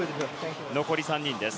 残り３人です。